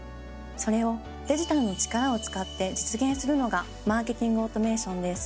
それをデジタルの力を使って実現するのがマーケティングオートメーションです。